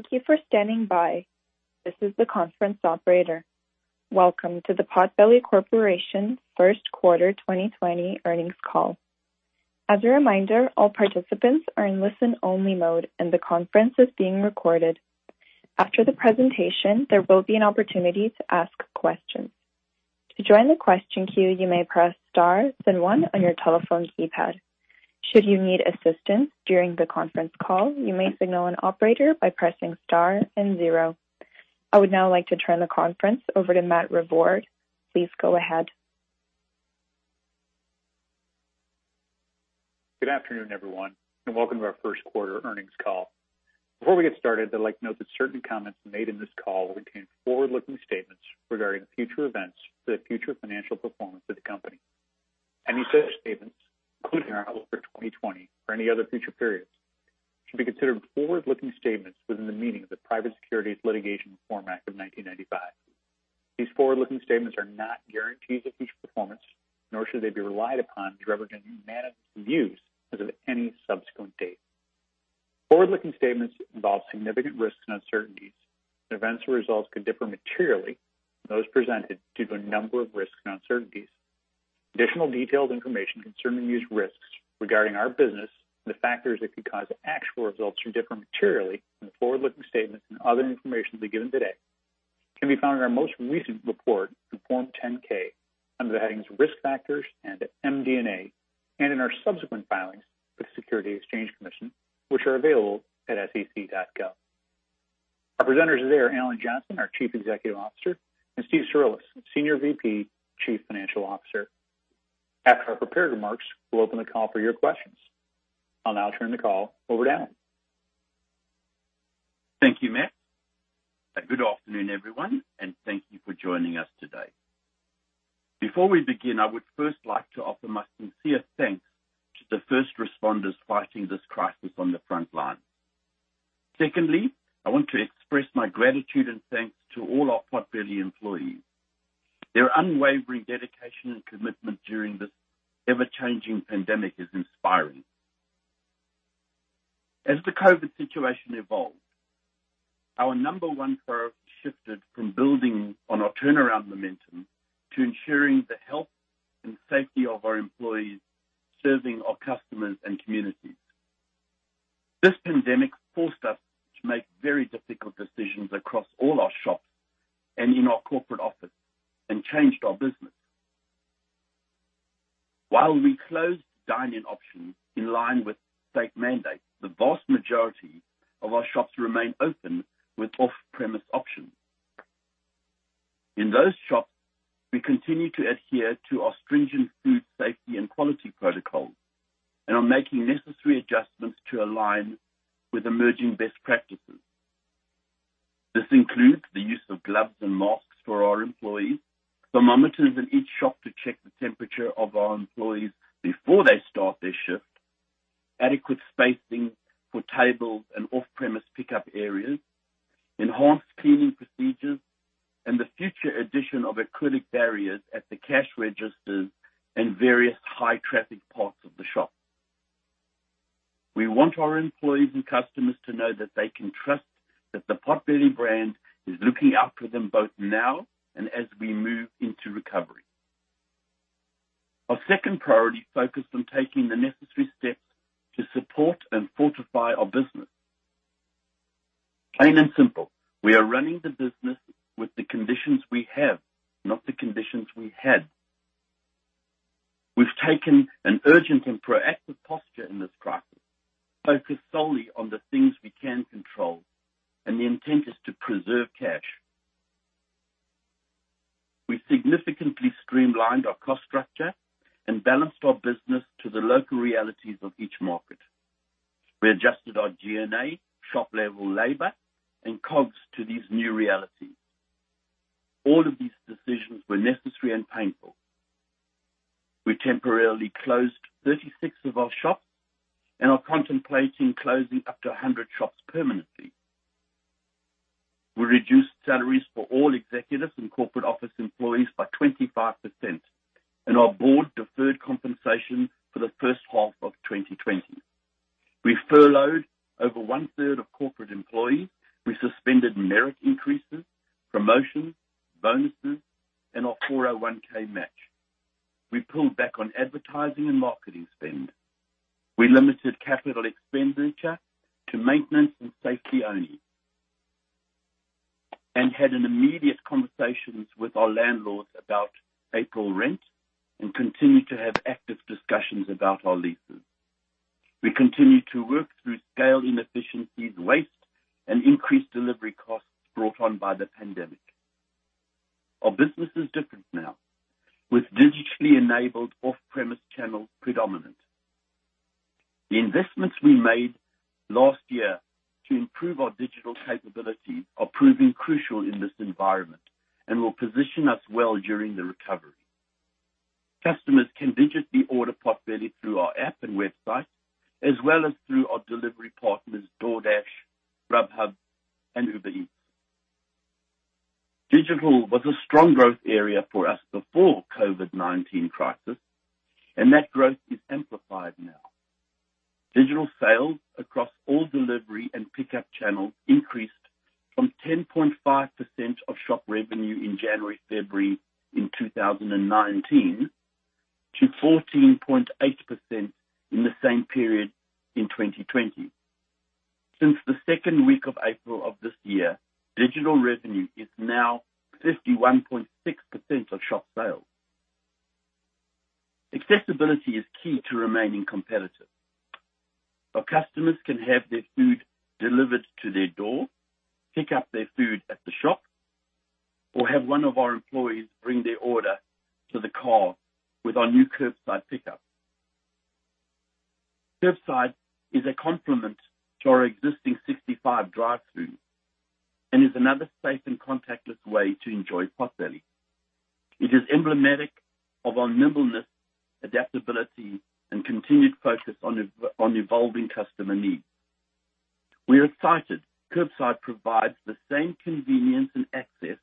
Thank you for standing by. This is the conference operator. Welcome to the Potbelly Corporation first quarter 2020 earnings call. As a reminder, all participants are in listen only mode, and the conference is being recorded. After the presentation, there will be an opportunity to ask questions. To join the question queue, you may press star then one on your telephone keypad. Should you need assistance during the conference call, you may signal an operator by pressing star and zero. I would now like to turn the conference over to Matt Revord. Please go ahead. Good afternoon, everyone, and welcome to our first quarter earnings call. Before we get started, I'd like to note that certain comments made in this call will contain forward-looking statements regarding future events for the future financial performance of the company. Any such statements, including our outlook for 2020 or any other future periods, should be considered forward-looking statements within the meaning of the Private Securities Litigation Reform Act of 1995. These forward-looking statements are not guarantees of future performance, nor should they be relied upon to represent management views as of any subsequent date. Forward-looking statements involve significant risks and uncertainties, and events or results could differ materially from those presented due to a number of risks and uncertainties. Additional detailed information concerning these risks regarding our business and the factors that could cause actual results to differ materially from the forward-looking statements and other information to be given today can be found in our most recent report in Form 10-K under the headings Risk Factors and MD&A, and in our subsequent filings with the Securities and Exchange Commission, which are available at sec.gov. Our presenters today are Alan Johnson, our Chief Executive Officer, and Steve Cirulis, Senior VP, Chief Financial Officer. After our prepared remarks, we'll open the call for your questions. I'll now turn the call over to Alan. Thank you, Matt. Good afternoon, everyone, and thank you for joining us today. Before we begin, I would first like to offer my sincere thanks to the first responders fighting this crisis on the front line. Secondly, I want to express my gratitude and thanks to all our Potbelly employees. Their unwavering dedication and commitment during this ever-changing pandemic is inspiring. As the COVID situation evolved, our number one priority shifted from building on our turnaround momentum to ensuring the health and safety of our employees, serving our customers and communities. This pandemic forced us to make very difficult decisions across all our shops and in our corporate office and changed our business. While we closed dine-in options in line with state mandates, the vast majority of our shops remain open with off-premise options. In those shops, we continue to adhere to our stringent food safety and quality protocols and are making necessary adjustments to align with emerging best practices. This includes the use of gloves and masks for our employees, thermometers in each shop to check the temperature of our employees before they start their shift, adequate spacing for tables and off-premise pickup areas, enhanced cleaning procedures, and the future addition of acrylic barriers at the cash registers and various high-traffic parts of the shop. We want our employees and customers to know that they can trust that the Potbelly brand is looking after them both now and as we move into recovery. Our second priority focused on taking the necessary steps to support and fortify our business. Plain and simple, we are running the business with the conditions we have, not the conditions we had. We've taken an urgent and proactive posture in this crisis, focused solely on the things we can control, and the intent is to preserve cash. We significantly streamlined our cost structure and balanced our business to the local realities of each market. We adjusted our G&A, shop-level labor, and COGS to these new realities. All of these decisions were necessary and painful. We temporarily closed 36 of our shops and are contemplating closing up to 100 shops permanently. We reduced salaries for all executives and corporate office employees by 25%, and our board deferred compensation for the first half of 2020. We furloughed over 1/3 of corporate employees. We suspended merit increases, promotions, bonuses, and our 401 match. We pulled back on advertising and marketing spend. We limited capital expenditure to maintenance and safety only and had an immediate conversations with our landlords about April rent and continue to have active discussions about our leases. We continue to work through scale inefficiencies, waste, and increased delivery costs brought on by the pandemic. Our business is different now, with digitally enabled off-premise channels predominant. The investments we made last year to improve our digital capability are proving crucial in this environment and will position us well during the recovery. Customers can digitally order Potbelly through our app and website, as well as through our delivery partners DoorDash, Grubhub, and Uber Eats. Digital was a strong growth area for us before COVID-19 crisis. That growth is amplified now. Digital sales across all delivery and pickup channels increased from 10.5% of shop revenue in January, February in 2019 to 14.8% in the same period in 2020. Since the second week of April of this year, digital revenue is now 51.6% of shop sales. Accessibility is key to remaining competitive. Our customers can have their food delivered to their door, pick up their food at the shop, or have one of our employees bring their order to the car with our new curbside pickup. Curbside is a complement to our existing 65 drive-throughs and is another safe and contactless way to enjoy Potbelly. It is emblematic of our nimbleness, adaptability, and continued focus on evolving customer needs. We are excited curbside provides the same convenience and access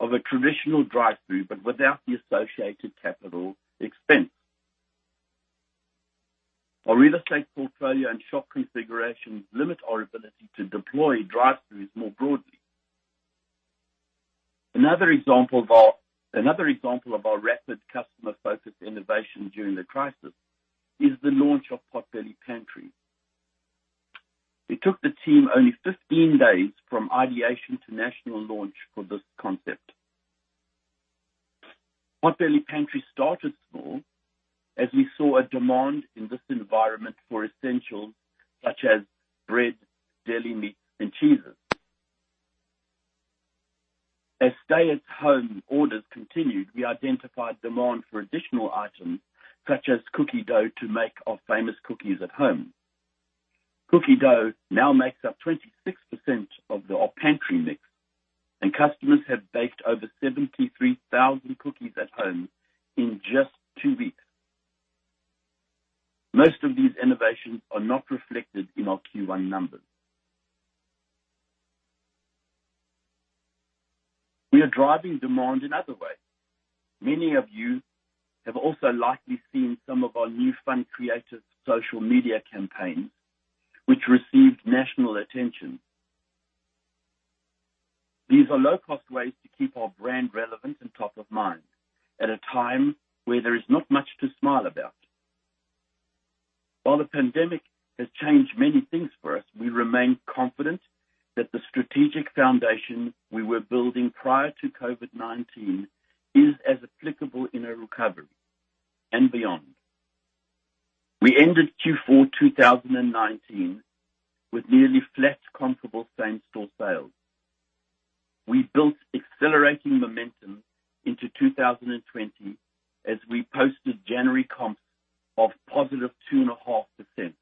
of a traditional drive-through, but without the associated capital expense. Our real estate portfolio and shop configurations limit our ability to deploy drive-throughs more broadly. Another example of our rapid customer-focused innovation during the crisis is the launch of Potbelly Pantry. It took the team only 15 days from ideation to national launch for this concept. Potbelly Pantry started small as we saw a demand in this environment for essentials such as bread, deli meats, and cheeses. As stay-at-home orders continued, we identified demand for additional items such as cookie dough to make our famous cookies at home. Cookie dough now makes up 26% of our pantry mix, and customers have baked over 73,000 cookies at home in just two weeks. Most of these innovations are not reflected in our Q1 numbers. We are driving demand in other ways. Many of you have also likely seen some of our new fun creative social media campaigns, which received national attention. These are low-cost ways to keep our brand relevant and top of mind at a time where there is not much to smile about. While the pandemic has changed many things for us, we remain confident that the strategic foundation we were building prior to COVID-19 is as applicable in a recovery and beyond. We ended Q4 2019 with nearly flat comparable same-store sales. We built accelerating momentum into 2020 as we posted January comps of positive 2.5%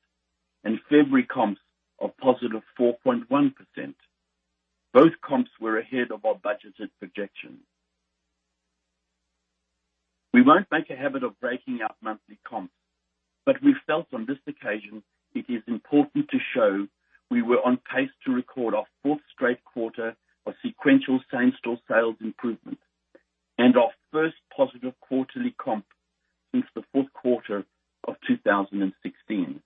and February comps of positive 4.1%. Both comps were ahead of our budgeted projections. We felt on this occasion it is important to show we were on pace to record our fourth straight quarter of sequential same-store sales improvement and our first positive quarterly comp since the fourth quarter of 2016.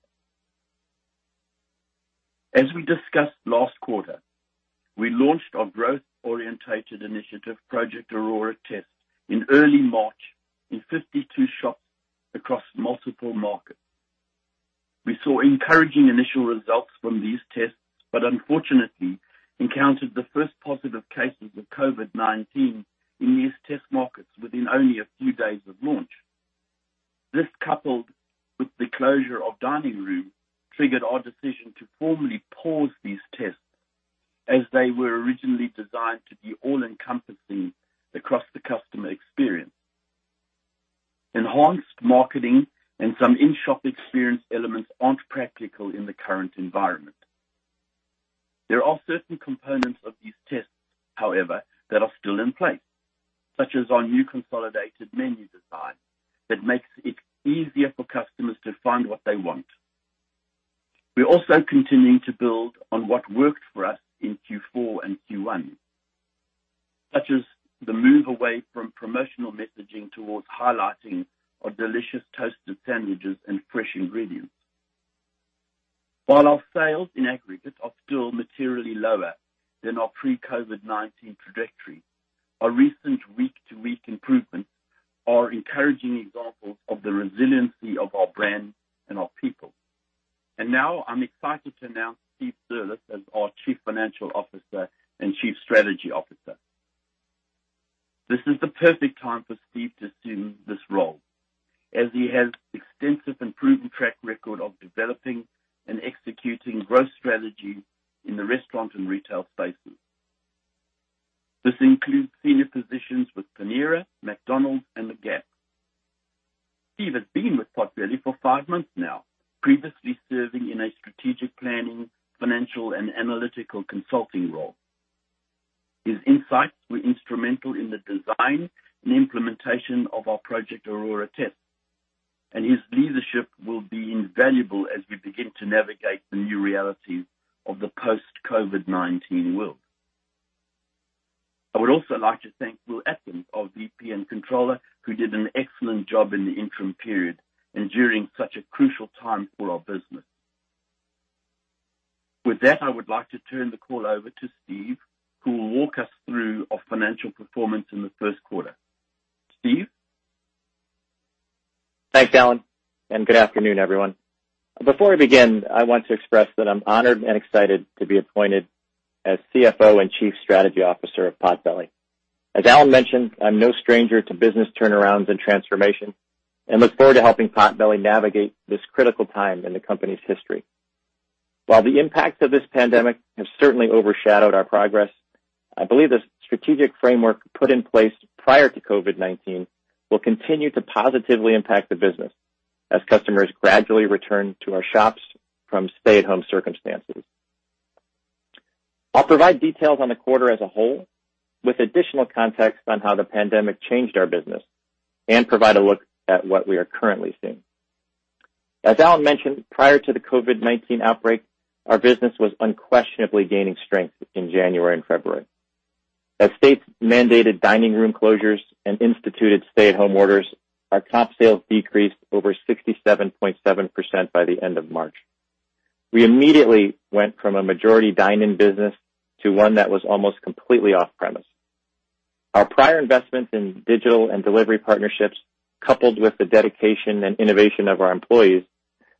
As we discussed last quarter, we launched our growth-orientated initiative, Project Aurora test, in early March in 52 shops across multiple markets. We saw encouraging initial results from these tests, but unfortunately encountered the first positive cases of COVID-19 in these test markets within only a few days of launch. This, coupled with the closure of dining room, triggered our decision to formally pause these tests as they were originally designed to be all-encompassing across the customer experience. Enhanced marketing and some in-shop experience elements aren't practical in the current environment. There are certain components of these tests, however, that are still in place, such as our new consolidated menu design that makes it easier for customers to find what they want. We're also continuing to build on what worked for us in Q4 and Q1, such as the move away from promotional messaging towards highlighting our delicious toasted sandwiches and fresh ingredients. While our sales in aggregate are still materially lower than our pre-COVID-19 trajectory, our recent week-to-week improvements are encouraging examples of the resiliency of our brand and our people. Now I'm excited to announce Steve Cirulis as our Chief Financial Officer and Chief Strategy Officer. This is the perfect time for Steve to assume this role, as he has extensive and proven track record of developing and executing growth strategy in the restaurant and retail spaces. This includes senior positions with Panera, McDonald's, and The Gap. Steve has been with Potbelly for five months now, previously serving in a strategic planning, financial, and analytical consulting role. His insights were instrumental in the design and implementation of our Project Aurora test. His leadership will be invaluable as we begin to navigate the new realities of the post-COVID-19 world. I would also like to thank Will Atkins, our VP and Controller, who did an excellent job in the interim period and during such a crucial time for our business. With that, I would like to turn the call over to Steve, who will walk us through our financial performance in the first quarter. Steve? Thanks, Alan Johnson. Good afternoon, everyone. Before I begin, I want to express that I'm honored and excited to be appointed as CFO and Chief Strategy Officer of Potbelly. As Alan Johnson mentioned, I'm no stranger to business turnarounds and transformation and look forward to helping Potbelly navigate this critical time in the company's history. While the impact of this pandemic has certainly overshadowed our progress, I believe the strategic framework put in place prior to COVID-19 will continue to positively impact the business as customers gradually return to our shops from stay-at-home circumstances. I'll provide details on the quarter as a whole, with additional context on how the pandemic changed our business and provide a look at what we are currently seeing. As Alan Johnson mentioned, prior to the COVID-19 outbreak, our business was unquestionably gaining strength in January and February. As states mandated dining room closures and instituted stay-at-home orders, our top sales decreased over 67.7% by the end of March. We immediately went from a majority dine-in business to one that was almost completely off-premise. Our prior investments in digital and delivery partnerships, coupled with the dedication and innovation of our employees,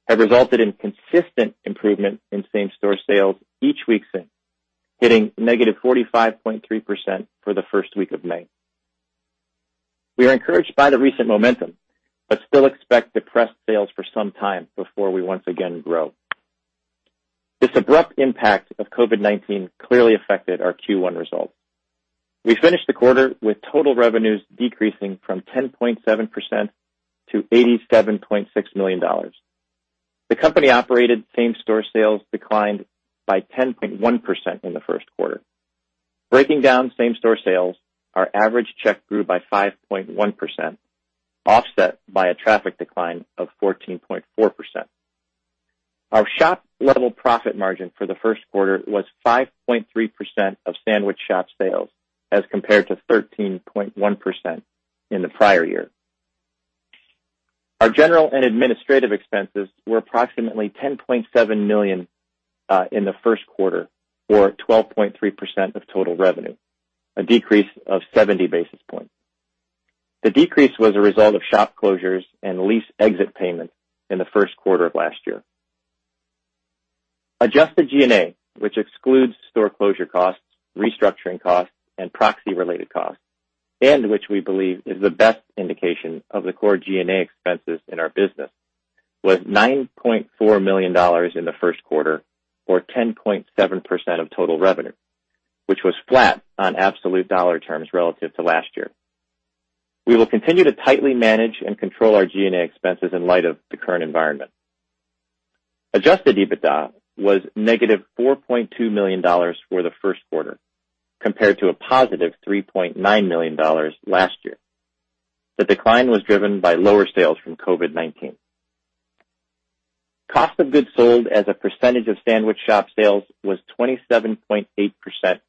have resulted in consistent improvement in same-store sales each week since, hitting negative 45.3% for the first week of May. We are encouraged by the recent momentum but still expect depressed sales for some time before we once again grow. This abrupt impact of COVID-19 clearly affected our Q1 results. We finished the quarter with total revenues decreasing from 10.7% to $87.6 million. The company-operated same-store sales declined by 10.1% in the first quarter. Breaking down same-store sales, our average check grew by 5.1%, offset by a traffic decline of 14.4%. Our shop level profit margin for the first quarter was 5.3% of sandwich shop sales as compared to 13.1% in the prior year. Our general and administrative expenses were approximately $10.7 million in the first quarter, or 12.3% of total revenue, a decrease of 70 basis points. The decrease was a result of shop closures and lease exit payments in the first quarter of last year. Adjusted G&A, which excludes store closure costs, restructuring costs, and proxy-related costs, and which we believe is the best indication of the core G&A expenses in our business, was $9.4 million in the first quarter or 10.7% of total revenue, which was flat on absolute dollar terms relative to last year. We will continue to tightly manage and control our G&A expenses in light of the current environment. Adjusted EBITDA was negative $4.2 million for the first quarter compared to a positive $3.9 million last year. The decline was driven by lower sales from COVID-19. Cost of goods sold as a percentage of sandwich shop sales was 27.8%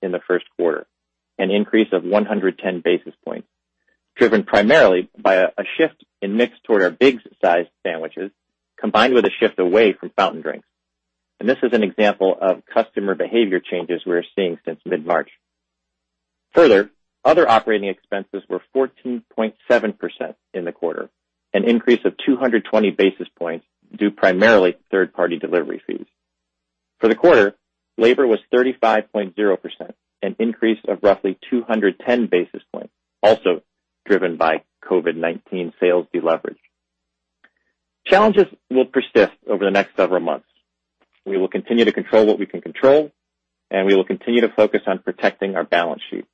in the first quarter, an increase of 110 basis points, driven primarily by a shift in mix toward our big-sized sandwiches, combined with a shift away from fountain drinks. This is an example of customer behavior changes we're seeing since mid-March. Further, other operating expenses were 14.7% in the quarter, an increase of 220 basis points, due primarily to third-party delivery fees. For the quarter, labor was 35.0%, an increase of roughly 210 basis points, also driven by COVID-19 sales deleverage. Challenges will persist over the next several months. We will continue to control what we can control, and we will continue to focus on protecting our balance sheet.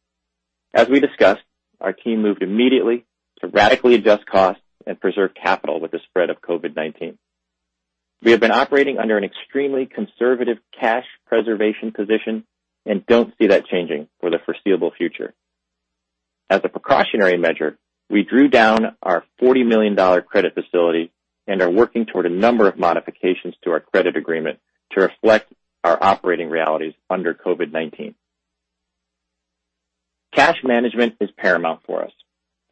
As we discussed, our team moved immediately to radically adjust costs and preserve capital with the spread of COVID-19. We have been operating under an extremely conservative cash preservation position and don't see that changing for the foreseeable future. As a precautionary measure, we drew down our $40 million credit facility and are working toward a number of modifications to our credit agreement to reflect our operating realities under COVID-19. Cash management is paramount for us.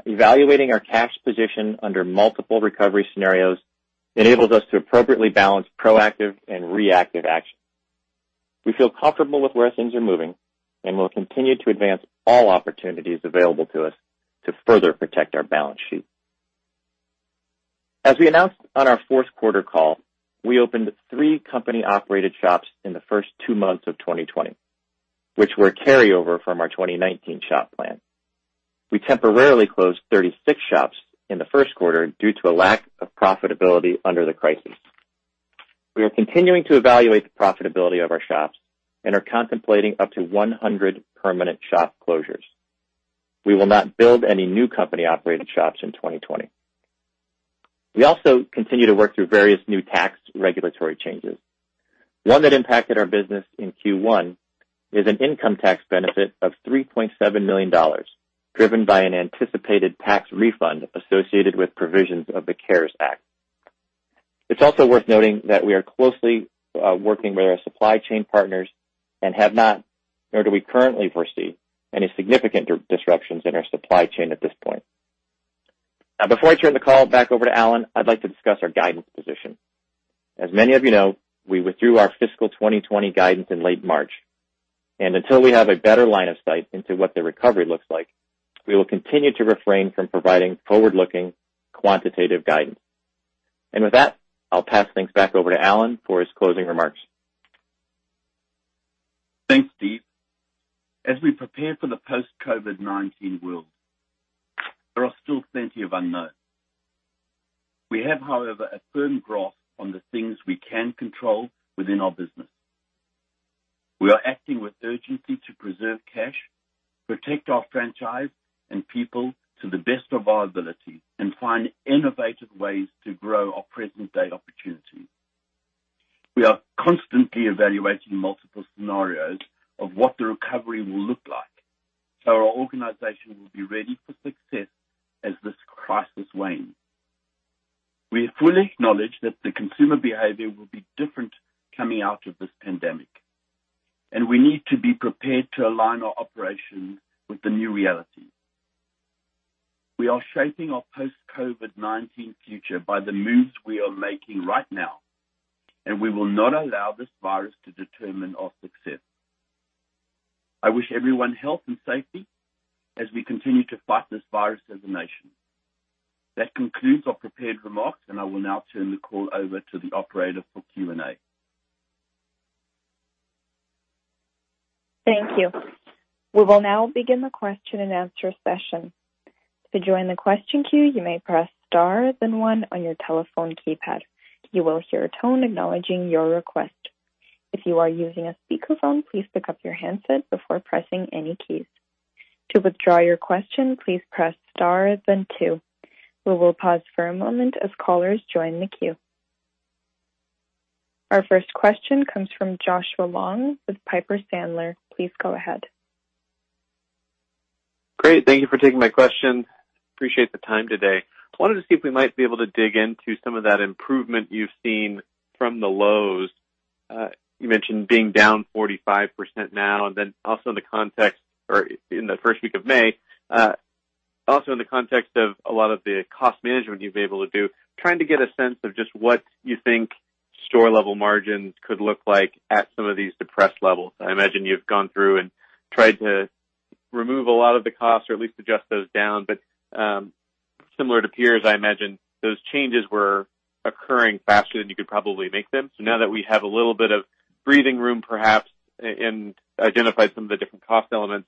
Evaluating our cash position under multiple recovery scenarios enables us to appropriately balance proactive and reactive action. We feel comfortable with where things are moving and will continue to advance all opportunities available to us to further protect our balance sheet. As we announced on our fourth quarter call, we opened three company-operated shops in the first two months of 2020, which were a carryover from our 2019 shop plan. We temporarily closed 36 shops in the first quarter due to a lack of profitability under the crisis. We are continuing to evaluate the profitability of our shops and are contemplating up to 100 permanent shop closures. We will not build any new company-operated shops in 2020. We also continue to work through various new tax regulatory changes. One that impacted our business in Q1 is an income tax benefit of $3.7 million, driven by an anticipated tax refund associated with provisions of the CARES Act. It's also worth noting that we are closely working with our supply chain partners and have not, nor do we currently foresee any significant disruptions in our supply chain at this point. Before I turn the call back over to Alan, I'd like to discuss our guidance position. As many of you know, we withdrew our fiscal 2020 guidance in late March. Until we have a better line of sight into what the recovery looks like, we will continue to refrain from providing forward-looking quantitative guidance. With that, I'll pass things back over to Alan for his closing remarks. Thanks, Steve. As we prepare for the post-COVID-19 world, there are still plenty of unknowns. We have, however, a firm grasp on the things we can control within our business. We are acting with urgency to preserve cash, protect our franchise and people to the best of our ability, and find innovative ways to grow our present day opportunities. We are constantly evaluating multiple scenarios of what the recovery will look like, so our organization will be ready for success as this crisis wanes. We fully acknowledge that the consumer behavior will be different coming out of this pandemic, and we need to be prepared to align our operations with the new reality. We are shaping our post-COVID-19 future by the moves we are making right now, and we will not allow this virus to determine our success. I wish everyone health and safety as we continue to fight this virus as a nation. That concludes our prepared remarks, and I will now turn the call over to the operator for Q&A. Thank you. We will now begin the question and answer session. To join the question queue, you may press star, then one on your telephone keypad. You will hear a tone acknowledging your request. If you are using a speakerphone, please pick up your handset before pressing any keys. To withdraw your question, please press star, then two. We will pause for a moment as callers join the queue. Our first question comes from Joshua Long with Piper Sandler. Please go ahead. Great. Thank you for taking my question. Appreciate the time today. I wanted to see if we might be able to dig into some of that improvement you've seen from the lows. You mentioned being down 45% now, and then also in the context or in the first week of May. Also in the context of a lot of the cost management you've been able to do, trying to get a sense of just what you think store level margins could look like at some of these depressed levels. I imagine you've gone through and tried to remove a lot of the costs or at least adjust those down. Similar to peers, I imagine those changes were occurring faster than you could probably make them. Now that we have a little bit of breathing room, perhaps, and identified some of the different cost elements,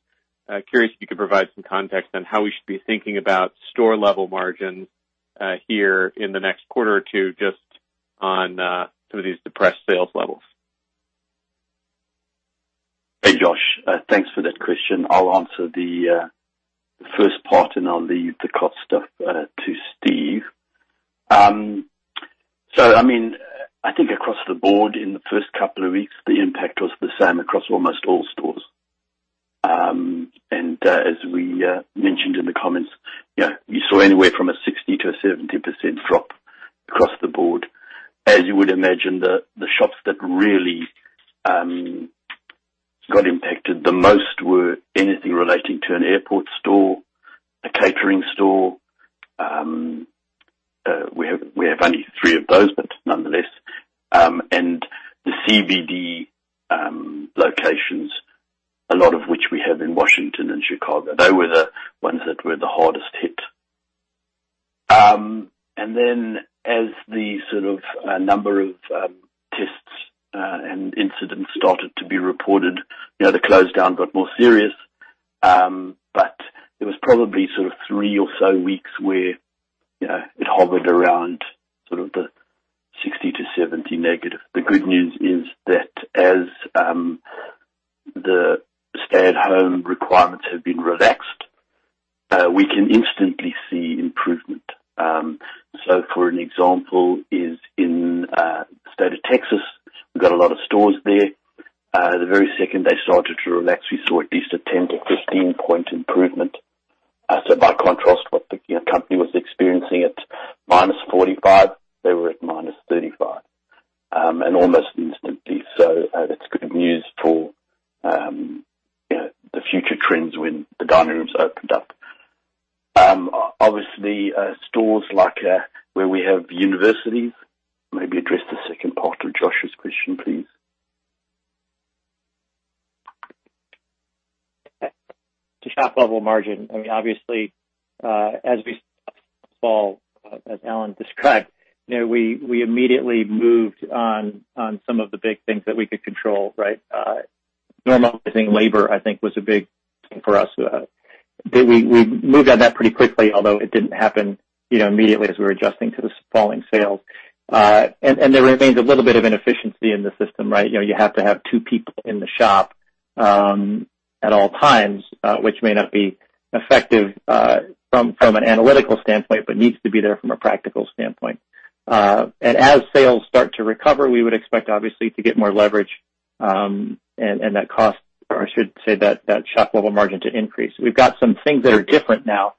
curious if you could provide some context on how we should be thinking about store level margins, here in the next quarter or two, just on some of these depressed sales levels. Hey, Joshua. Thanks for that question. I'll answer the first part, and I'll leave the cost stuff to Steve. I think across the board in the first couple of weeks, the impact was the same across almost all stores. As we mentioned in the comments, we saw anywhere from a 60%-70% drop across the board. As you would imagine, the shops that really got impacted the most were anything relating to an airport store, a catering store. We have only three of those, but nonetheless. The CBD locations, a lot of which we have in Washington and Chicago, were the ones that were the hardest hit. As the sort of number of tests, and incidents started to be reported, the close down got more serious. It was probably sort of three or so weeks where it hovered around sort of the 60%-70% negative. The good news is that as the stay-at-home requirements have been relaxed, we can instantly see improvement. For an example is in the state of Texas, we've got a lot of stores there. The very second they started to relax, we saw at least a 10-15 point improvement. By contrast, what the company was experiencing at -45, they were at -35. Almost instantly. That's good news for the future trends when the dining rooms opened up. Stores like where we have universities. Maybe address the second part of Joshua's question, please. To shop level margin. Obviously, as we saw, as Alan described, we immediately moved on some of the big things that we could control. Right? Normalizing labor, I think, was a big thing for us. We moved on that pretty quickly, although it didn't happen immediately as we were adjusting to the falling sales. There remains a little bit of inefficiency in the system, right? You have to have two people in the shop at all times, which may not be effective from an analytical standpoint, but needs to be there from a practical standpoint. As sales start to recover, we would expect, obviously, to get more leverage, and that cost, or I should say, that shop level margin to increase. We've got some things that are different now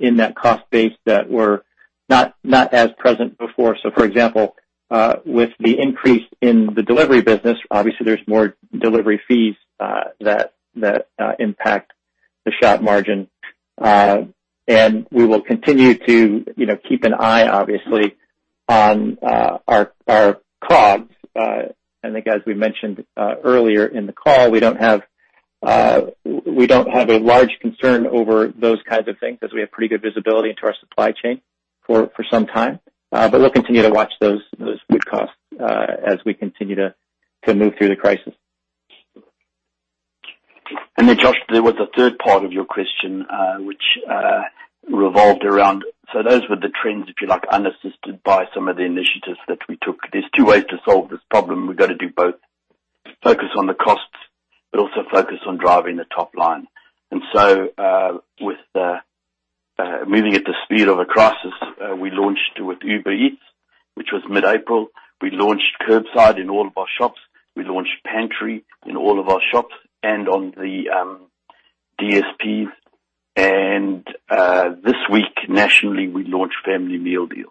in that cost base that were not as present before. For example, with the increase in the delivery business, obviously there's more delivery fees that impact the shop margin. We will continue to keep an eye, obviously, on our COGS. I think as we mentioned earlier in the call, we don't have a large concern over those kinds of things because we have pretty good visibility into our supply chain for some time. We'll continue to watch those good costs as we continue to move through the crisis. Josh, there was a third part of your question, which revolved around, so those were the trends, if you like, unassisted by some of the initiatives that we took. There's two ways to solve this problem. We've got to do both. Focus on the costs, but also focus on driving the top line. With moving at the speed of a crisis, we launched with Uber Eats, which was mid-April. We launched Curbside in all of our shops. We launched Pantry in all of our shops and on the DSPs. This week, nationally, we launched Family Meal Deal.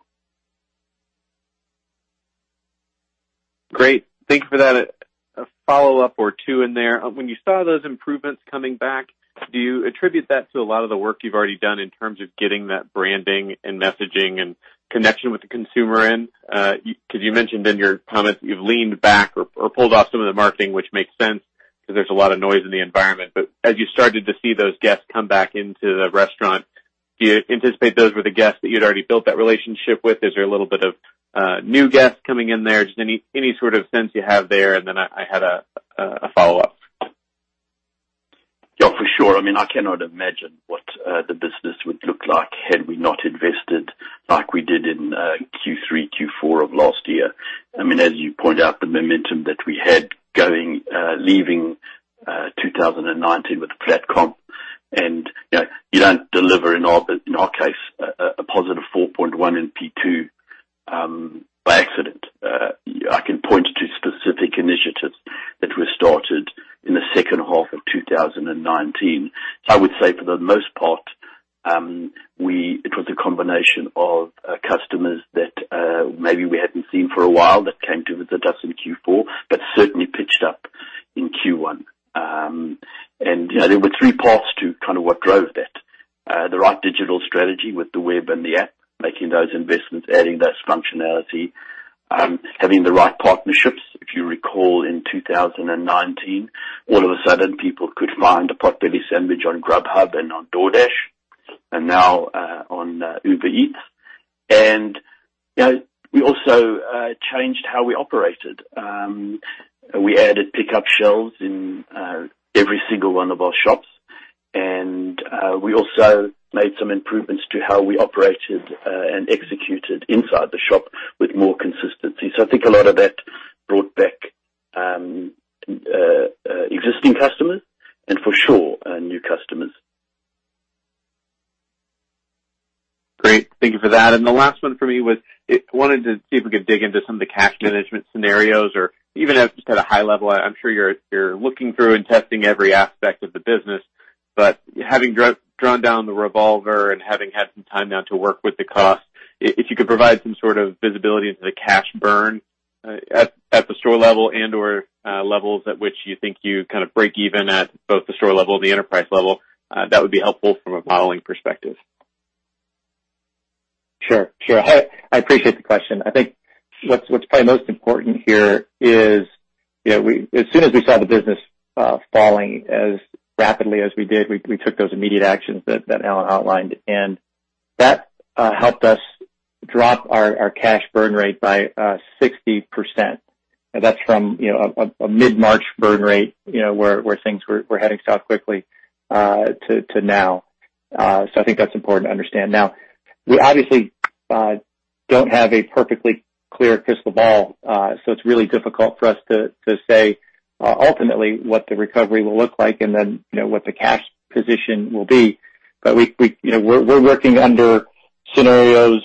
Great. Thank you for that. A follow-up or two in there. When you saw those improvements coming back, do you attribute that to a lot of the work you've already done in terms of getting that branding and messaging and connection with the consumer in? Because you mentioned in your comments you've leaned back or pulled off some of the marketing, which makes sense because there's a lot of noise in the environment. As you started to see those guests come back into the restaurant, do you anticipate those were the guests that you'd already built that relationship with? Is there a little bit of new guests coming in there? Just any sort of sense you have there, and then I had a follow-up. Yeah, for sure. I cannot imagine what the business would look like had we not invested like we did in Q3, Q4 of last year. As you point out, the momentum that we had going, leaving 2019 with flat comp. You don't deliver in our case, a +4.1 in P2 by accident. I can point to specific initiatives that were started in the second half of 2019. I would say for the most part, it was a combination of customers that maybe we hadn't seen for a while that came to visit us in Q4, but certainly pitched up in Q1. There were three paths to what drove that. The right digital strategy with the web and the app, making those investments, adding those functionality. Having the right partnerships. If you recall in 2019, all of a sudden people could find a Potbelly sandwich on Grubhub and on DoorDash, and now on Uber Eats. We also changed how we operated. We added pickup shelves in every single one of our shops. We also made some improvements to how we operated and executed inside the shop with more consistency. I think a lot of that brought back existing customers and for sure, new customers. Great. Thank you for that. The last one for me was, I wanted to see if we could dig into some of the cash management scenarios or even at just at a high level. I'm sure you're looking through and testing every aspect of the business. Having drawn down the revolver and having had some time now to work with the cost, if you could provide some sort of visibility into the cash burn at the store level and/or levels at which you think you break even at both the store level and the enterprise level, that would be helpful from a modeling perspective. Sure. I appreciate the question. I think what's probably most important here is as soon as we saw the business falling as rapidly as we did, we took those immediate actions that Alan Johnson outlined, and that helped us drop our cash burn rate by 60%. That's from a mid-March burn rate where things were heading south quickly to now. I think that's important to understand. Now, we obviously don't have a perfectly clear crystal ball, so it's really difficult for us to say ultimately what the recovery will look like and then what the cash position will be. We're working under scenarios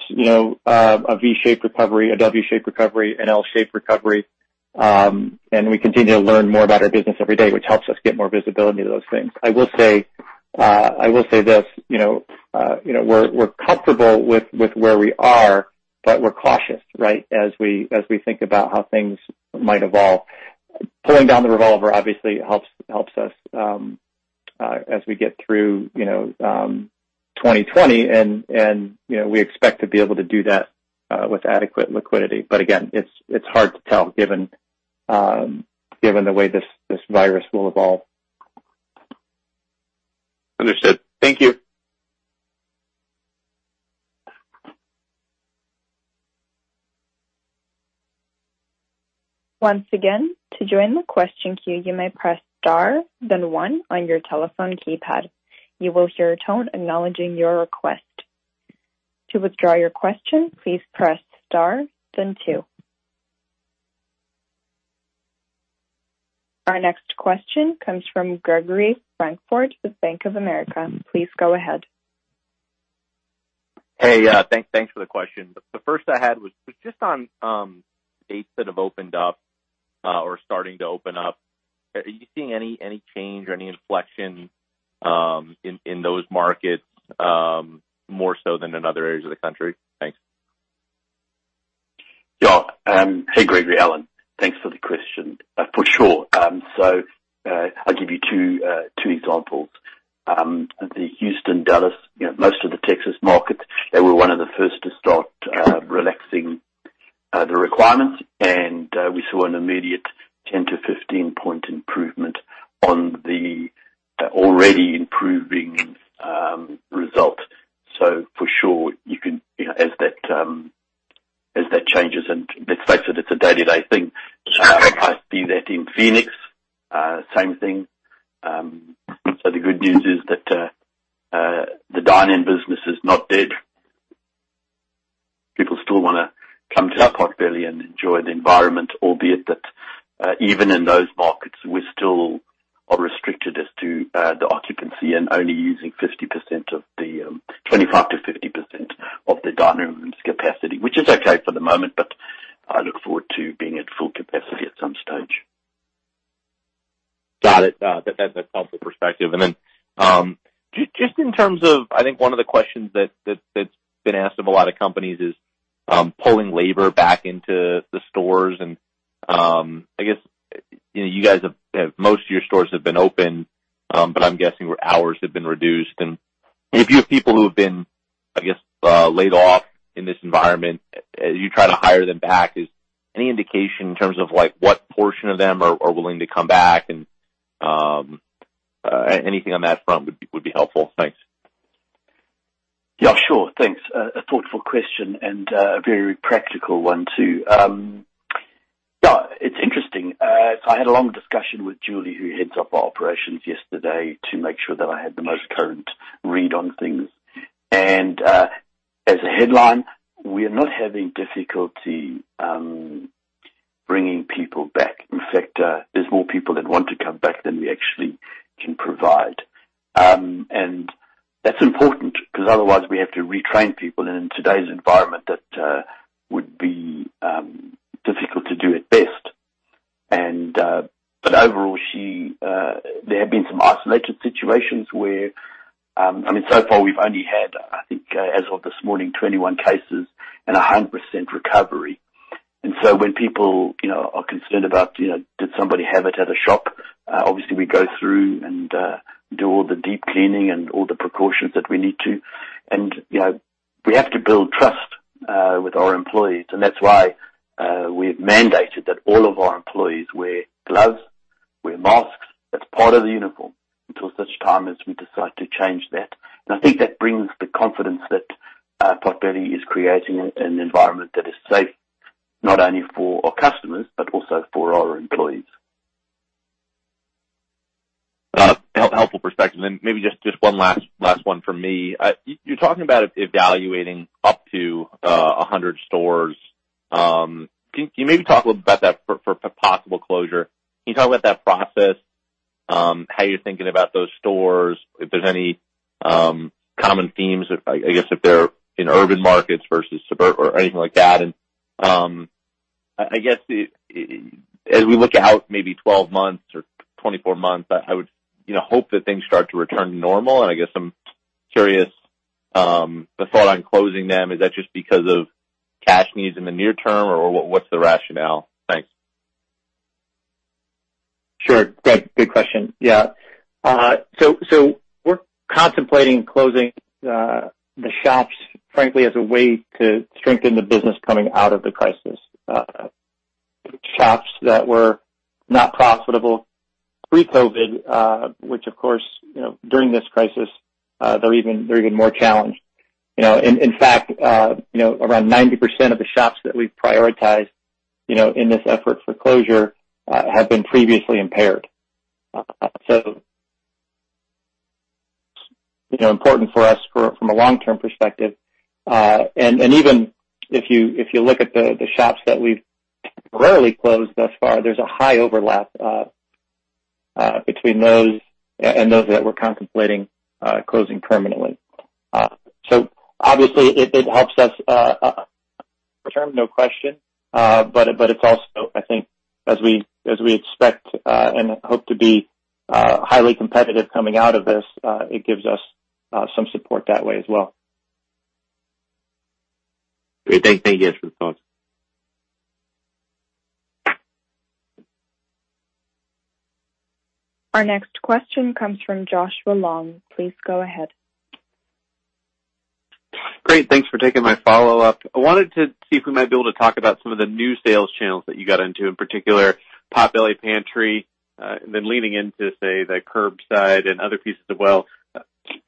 of a V-shaped recovery, a W-shaped recovery, an L-shaped recovery. We continue to learn more about our business every day, which helps us get more visibility to those things. I will say this. We're comfortable with where we are, but we're cautious, right, as we think about how things might evolve. Pulling down the revolver obviously helps us as we get through 2020 and we expect to be able to do that with adequate liquidity. Again, it's hard to tell given the way this virus will evolve. Understood. Thank you. Once again, to join the question queue, you may press star then one on your telephone keypad. You will hear a tone acknowledging your request. To withdraw your question, please press star then two. Our next question comes from Gregory Francfort with Bank of America. Please go ahead. Hey, thanks for the question. The first I had was just on states that have opened up or starting to open up. Are you seeing any change or any inflection in those markets more so than in other areas of the country? Thanks. Yeah. Hey, Gregory, Alan. Thanks for the question. For sure. I'll give you two examples. The Houston, Dallas, most of the Texas markets, they were one of the first to start relaxing the requirements, and we saw an immediate 10-15 point improvement on the already improving result. For sure, as that changes, and let's face it's a day-to-day thing. Sure. I see that in Phoenix, same thing. The good news is that the dine-in business is not dead. People still want to come to Potbelly and enjoy the environment, albeit that even in those markets, we still are restricted as to the occupancy and only using 25%-50% of the dining rooms capacity, which is okay for the moment, but I look forward to being at full capacity at some stage. Got it. That's helpful perspective. Then, just in terms of, I think one of the questions that's been asked of a lot of companies is, pulling labor back into the stores and, I guess, most of your stores have been open, but I'm guessing hours have been reduced and if you have people who have been, I guess, laid off in this environment, as you try to hire them back, is any indication in terms of what portion of them are willing to come back and anything on that front would be helpful. Thanks. Yeah, sure. Thanks. A thoughtful question and a very practical one, too. Yeah, it's interesting. I had a long discussion with Julie, who heads up our operations, yesterday to make sure that I had the most current read on things. As a headline, we are not having difficulty bringing people back. In fact, there's more people that want to come back than we actually can provide. That's important because otherwise we have to retrain people. In today's environment, that would be difficult to do at best. Overall, there have been some isolated situations where, so far we've only had, I think, as of this morning, 21 cases and 100% recovery. When people are concerned about did somebody have it at a shop, obviously we go through and do all the deep cleaning and all the precautions that we need to. We have to build trust with our employees, and that's why we've mandated that all of our employees wear gloves, wear masks as part of the uniform until such time as we decide to change that. I think that brings the confidence that Potbelly is creating an environment that is safe not only for our customers but also for our employees. Helpful perspective. Maybe just one last one from me. You're talking about evaluating up to 100 stores. Can you maybe talk a little bit about that for possible closure? Can you talk about that process, how you're thinking about those stores, if there's any common themes, I guess, if they're in urban markets versus suburb or anything like that? I guess as we look out maybe 12 months or 24 months, I would hope that things start to return to normal, and I guess I'm curious, the thought on closing them, is that just because of cash needs in the near term or what's the rationale? Thanks. Sure. Gregory, good question. We're contemplating closing the shops, frankly, as a way to strengthen the business coming out of the crisis. Shops that were not profitable pre-COVID, which, of course, during this crisis, they're even more challenged. In fact around 90% of the shops that we've prioritized in this effort for closure have been previously impaired. Important for us from a long-term perspective. Even if you look at the shops that we've temporarily closed thus far, there's a high overlap between those and those that we're contemplating closing permanently. Obviously it helps us short-term, no question. It's also, I think, as we expect and hope to be highly competitive coming out of this, it gives us some support that way as well. Great. Thanks. Yes. Thanks. Our next question comes from Joshua Long. Please go ahead. Great. Thanks for taking my follow-up. I wanted to see if we might be able to talk about some of the new sales channels that you got into, in particular Potbelly Pantry, and then leaning into, say, the curbside and other pieces as well.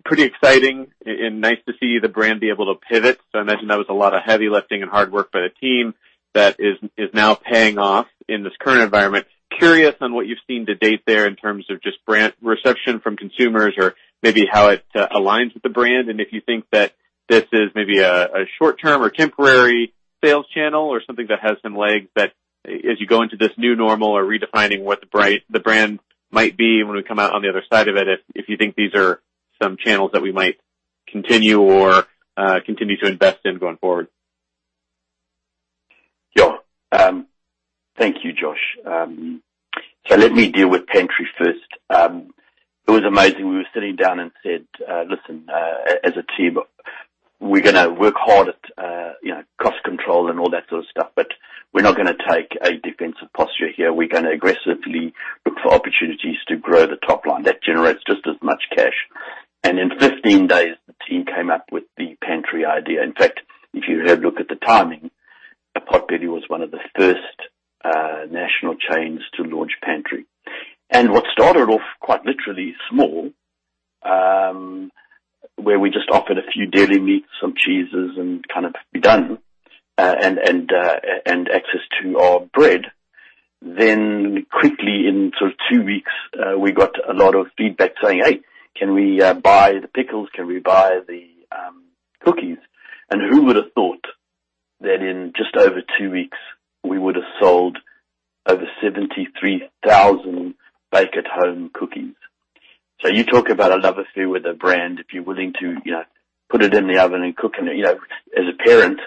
Pretty exciting and nice to see the brand be able to pivot. I imagine that was a lot of heavy lifting and hard work by the team that is now paying off in this current environment. Curious on what you've seen to date there in terms of just brand reception from consumers or maybe how it aligns with the brand, and if you think that this is maybe a short-term or temporary sales channel or something that has some legs that as you go into this new normal or redefining what the brand might be when we come out on the other side of it, if you think these are some channels that we might continue or continue to invest in going forward. Thank you, Josh. Let me deal with Potbelly Pantry first. It was amazing. We were sitting down and said, "Listen, as a team, we're going to work hard at cost control and all that sort of stuff, but we're not going to take a defensive posture here. We're going to aggressively look for opportunities to grow the top line that generates just as much cash." In 15 days, the team came up with the Potbelly Pantry idea. In fact, if you had a look at the timing, Potbelly was one of the first national chains to launch Potbelly Pantry. What started off quite literally small, where we just offered a few deli meats, some cheeses, and kind of be done, and access to our bread. Quickly in sort of two weeks, we got a lot of feedback saying, "Hey, can we buy the pickles? Can we buy the cookies? Who would have thought that in just over two weeks, we would have sold over 73,000 bake at home cookies. You talk about a love affair with a brand, if you're willing to put it in the oven and cook, and as a parent,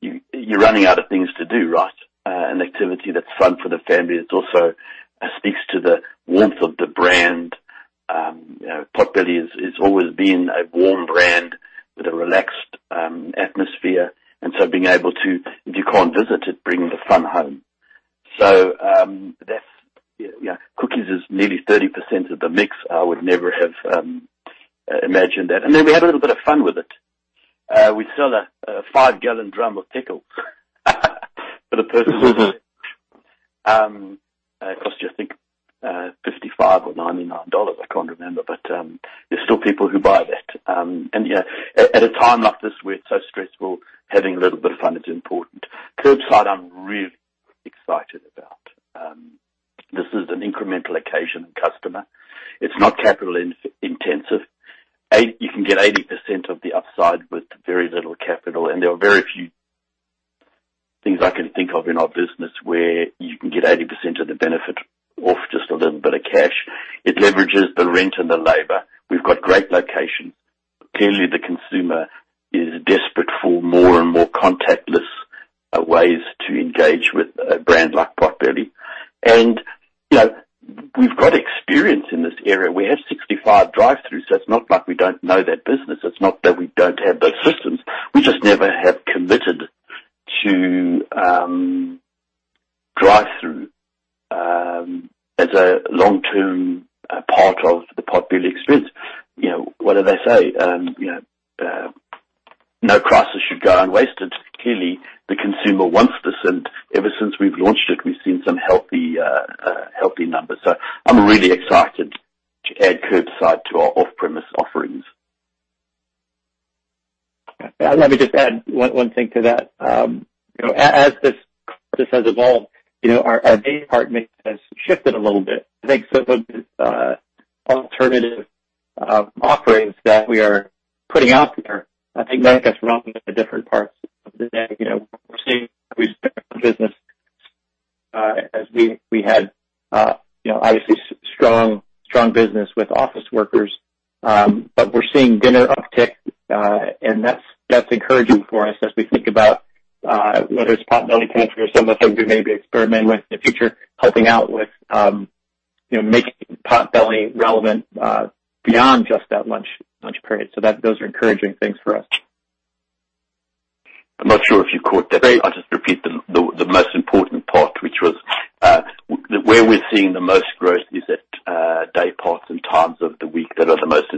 you're running out of things to do, right? An activity that's fun for the family, it also speaks to the warmth of the brand. Potbelly has always been a warm brand with a relaxed atmosphere, being able to, if you can't visit it, bring the fun home. Cookies is nearly 30% of the mix. I would never have imagined that. We had a little bit of fun with it. We sell a 5 gal drum of pickles for the person. It costs you, I think, $55 or $99, I can't remember. There's still people who buy that. Yeah, at a time like this, where it's so stressful, having a little bit of fun is important. Curbside, I'm really excited about. This is an incremental occasion customer. It's not capital-intensive. You can get 80% of the upside with very little capital, and there are very few things I can think of in our business where you can get 80% of the benefit off just a little bit of cash. It leverages the rent and the labor. We've got great locations. Clearly, the consumer is desperate for more and more contactless ways to engage with a brand like Potbelly. We've got experience in this area. We have 65 drive-throughs, so it's not like we don't know that business. It's not that we don't have those systems. We just never have committed to drive-through as a long-term part of the Potbelly experience. What do they say? No crisis should go unwasted. Clearly, the consumer wants this, and ever since we've launched it, we've seen some healthy numbers. I'm really excited to add curbside to our off-premise offerings. Let me just add one thing to that. As this has evolved, our daypart mix has shifted a little bit. I think some of these alternative offerings that we are putting out there, I think that gets strong in the different parts of the day. We're seeing business as we had obviously strong business with office workers. We're seeing dinner uptick, and that's encouraging for us as we think about whether it's Potbelly Pantry or some of the things we may experiment with in the future, helping out with making Potbelly relevant beyond just that lunch period. Those are encouraging things for us. I'm not sure if you caught that. I'll just repeat the most important part, which was, where we're seeing the most growth is at dayparts and times of the week that are the most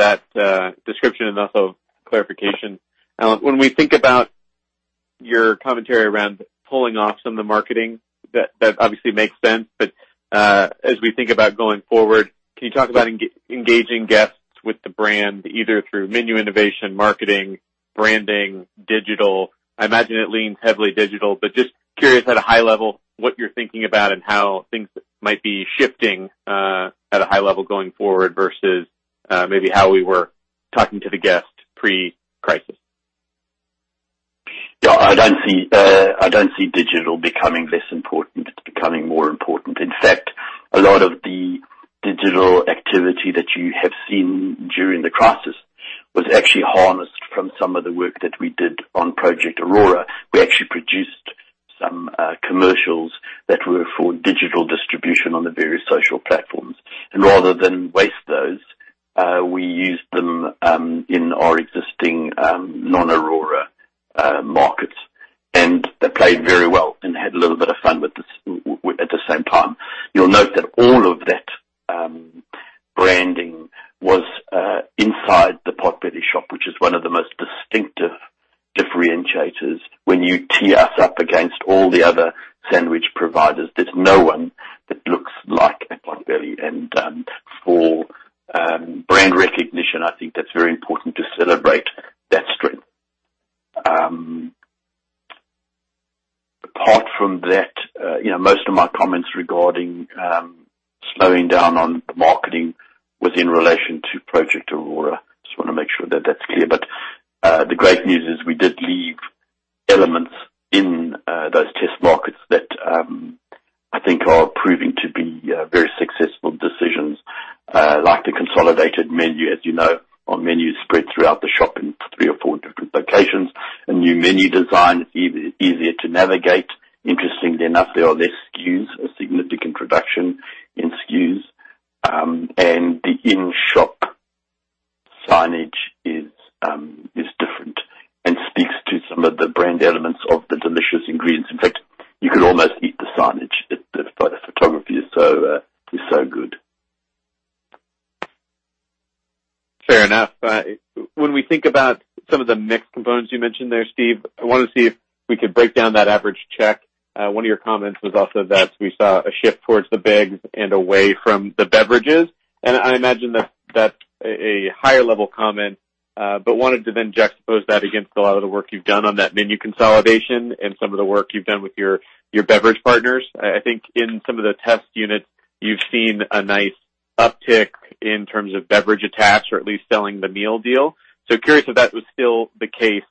important, dinner and weekend, where post this virus, we had a lot of room for improvement in those dayparts. Great. Thank you for that description and also clarification. As we think about going forward, can you talk about engaging guests with the brand, either through menu innovation, marketing, branding, digital? I imagine it leans heavily digital, but just curious at a high level, what you're thinking about and how things might be shifting at a high level going forward versus maybe how we were talking to the guest pre-crisis. Yeah, I don't see digital becoming less important. It's becoming more important. A lot of the digital activity that you have seen during the crisis was actually harnessed from some of the work that we did on Project Aurora. We actually produced some commercials that were for digital distribution on the various social platforms. Rather than waste those, we used them in our existing non-Aurora markets, and they played very well and had a little bit of fun at the same time. You'll note that all of that branding was inside the Potbelly shop, which is one of the most distinctive differentiators when you tee us up against all the other sandwich providers. There's no one Potbelly. For brand recognition, I think that's very important to celebrate that strength. Apart from that, most of my comments regarding slowing down on marketing was in relation to Project Aurora. Just want to make sure that's clear. The great news is we did leave elements in those test markets that I think are proving to be very successful decisions. Like the consolidated menu, as you know, our menu is spread throughout the shop in three or four different locations. A new menu design, easier to navigate. Interestingly enough, there are less SKUs, a significant reduction in SKUs. The in-shop signage is different and speaks to some of the brand elements of the delicious ingredients. In fact, you could almost eat the signage, the photography is so good. Fair enough. When we think about some of the mixed components you mentioned there, Steve, I wanted to see if we could break down that average check. One of your comments was also that we saw a shift towards the bigs and away from the beverages. I imagine that's a higher level comment, but wanted to then juxtapose that against a lot of the work you've done on that menu consolidation and some of the work you've done with your beverage partners. I think in some of the test units, you've seen a nice uptick in terms of beverage attached or at least selling the Family Meal Deal. Curious if that was still the case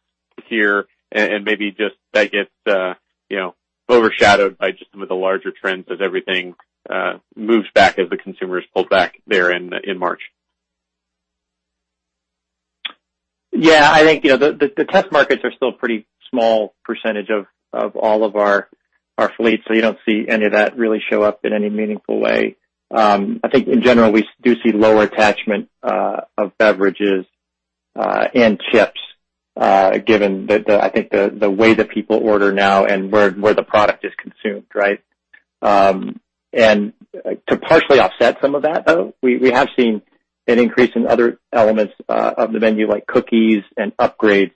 here and maybe just that gets overshadowed by just some of the larger trends as everything moves back as the consumers pull back there in March. Yeah, I think, the test markets are still pretty small percentage of all of our fleet. You don't see any of that really show up in any meaningful way. I think in general, we do see lower attachment of beverages and chips, given that, I think the way that people order now and where the product is consumed. To partially offset some of that, though, we have seen an increase in other elements of the menu like cookies and upgrades,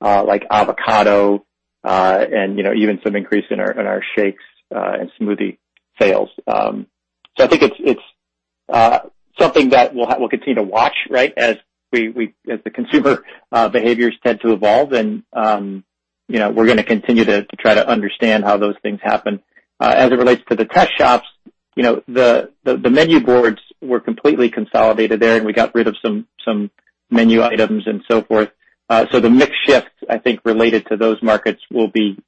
like avocado, and even some increase in our shakes and smoothie sales. I think it's something that we'll continue to watch as the consumer behaviors tend to evolve and we're going to continue to try to understand how those things happen. As it relates to the test shops, the menu boards were completely consolidated there and we got rid of some menu items and so forth. The mix shift, I think, related to those markets will be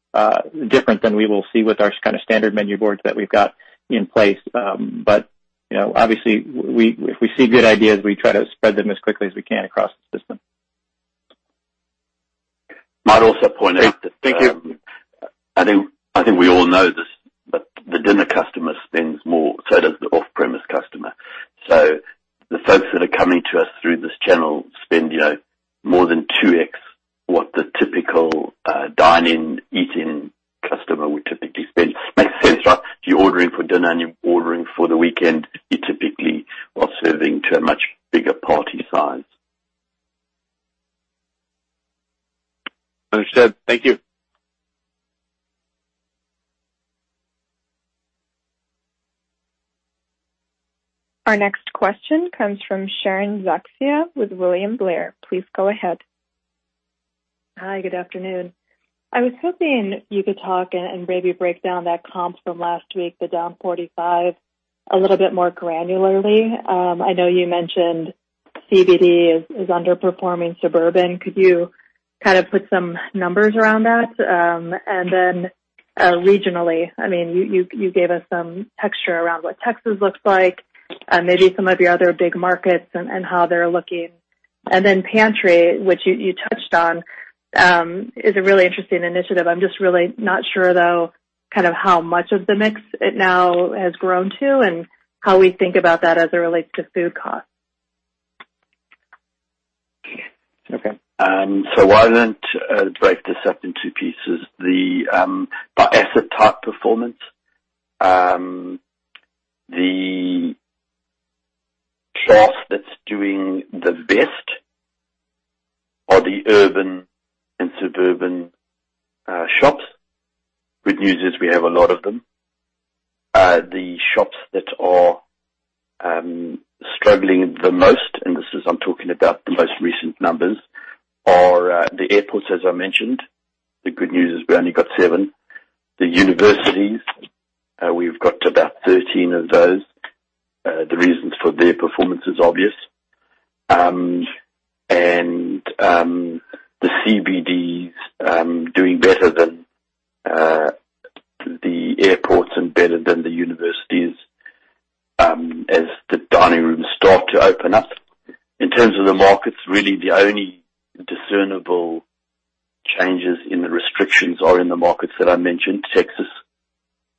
different than we will see with our standard menu boards that we've got in place. Obviously, if we see good ideas, we try to spread them as quickly as we can across the system. Might also point out that. Thank you. I think we all know this, but the dinner customer spends more, so does the off-premise customer. The folks that are coming to us through this channel spend more than 2x what the typical dine-in, eat-in customer would typically spend. Makes sense, right? You're ordering for dinner and you're ordering for the weekend, you typically are serving to a much bigger party size. Understood. Thank you. Our next question comes from Sharon Zackfia with William Blair. Please go ahead. Hi, good afternoon. I was hoping you could talk and maybe break down that comp from last week, the down 45%, a little bit more granularly. I know you mentioned CBD is underperforming suburban. Could you put some numbers around that? Regionally, you gave us some texture around what Texas looks like, maybe some of your other big markets and how they're looking. Potbelly Pantry, which you touched on, is a really interesting initiative. I'm just really not sure, though, how much of the mix it now has grown to and how we think about that as it relates to food cost. Okay. Why don't I break this up in two pieces. By asset type performance, the class that's doing the best are the urban and suburban shops. Good news is we have a lot of them. The shops that are struggling the most, I'm talking about the most recent numbers, are the airports, as I mentioned. The good news is we only got seven. The universities, we've got about 13 of those. The reasons for their performance is obvious. The CBDs, doing better than the airports and better than the universities, as the dining rooms start to open up. In terms of the markets, really the only discernible changes in the restrictions are in the markets that I mentioned, Texas,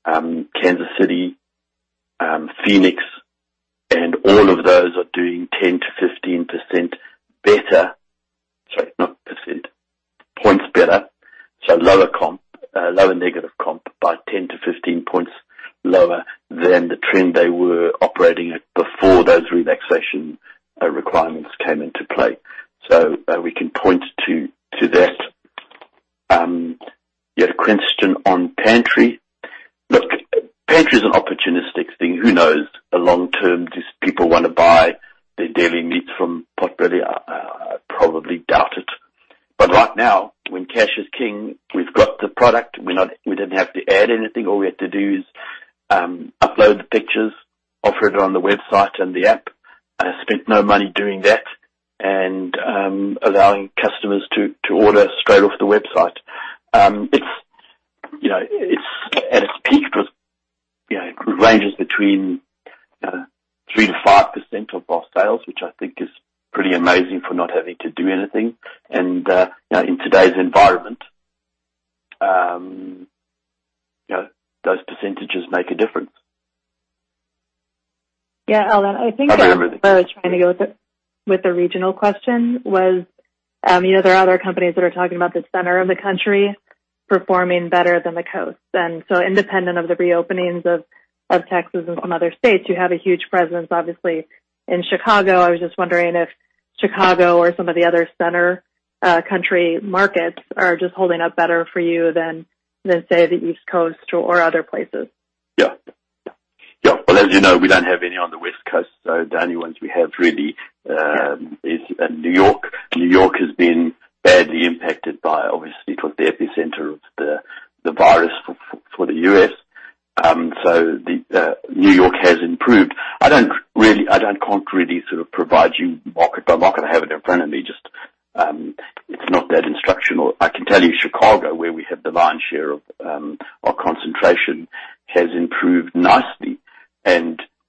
Kansas City, Phoenix, and all of those are doing 10%-15% better. Sorry, not percent, points better. Lower negative comp by 10-15 points lower than the trend they were operating at before those relaxation requirements came into play. We can point to that. A question on Potbelly Pantry. Look, Potbelly Pantry is an opportunistic thing. Who knows? The long term, do people want to buy their deli meats from Potbelly? I probably doubt it. Right now, when cash is king, we've got the product. We didn't have to add anything. All we had to do is upload the pictures, offer it on the website and the app, spent no money doing that, and allowing customers to order straight off the website. At its peak, it ranges between 3%-5% of our sales, which I think is pretty amazing for not having to do anything. In today's environment, those percentages make a difference. Yeah. Alan, I remember. Where I was trying to go with the regional question was, there are other companies that are talking about the center of the country performing better than the coast. Independent of the reopenings of Texas and some other states, you have a huge presence, obviously, in Chicago. I was just wondering if Chicago or some of the other center country markets are just holding up better for you than, say, the East Coast or other places. Yeah. Well, as you know, we don't have any on the West Coast, the only ones we have really. Yeah. Is in New York. New York has been badly impacted by, obviously, it was the epicenter of the virus for the U.S. New York has improved. I can't really sort of provide you market by market. I have it in front of me, just, it's not that instructional. I can tell you Chicago, where we have the lion's share of our concentration, has improved nicely.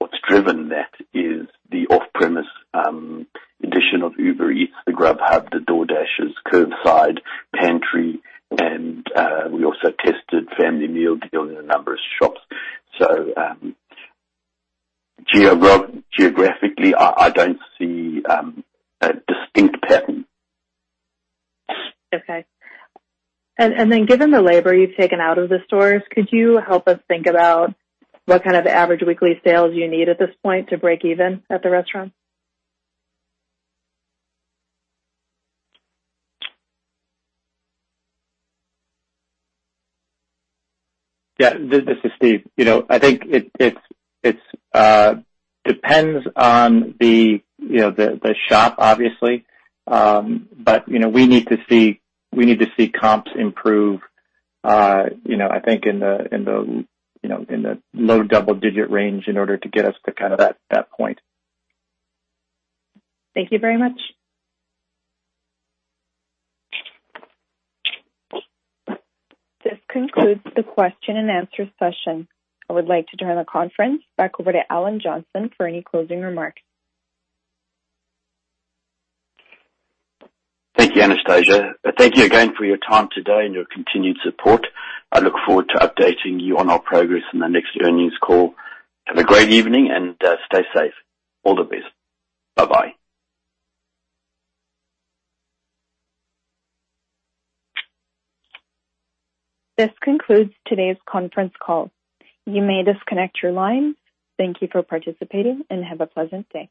What's driven that is the off-premise addition of Uber Eats, the Grubhub, the DoorDashes, curbside, Pantry, and we also tested Family Meal Deal in a number of shops. Geographically, I don't see a distinct pattern. Okay. Given the labor you've taken out of the stores, could you help us think about what kind of average weekly sales you need at this point to break even at the restaurant? Yeah. This is Steve. I think it depends on the shop, obviously. We need to see comps improve, I think in the low double-digit range in order to get us to that point. Thank you very much. This concludes the question and answer session. I would like to turn the conference back over to Alan Johnson for any closing remarks. Thank you, Anastasia. Thank you again for your time today and your continued support. I look forward to updating you on our progress in the next earnings call. Have a great evening and stay safe. All the best. Bye-bye. This concludes today's conference call. You may disconnect your line. Thank you for participating and have a pleasant day.